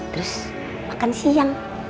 terus makan siang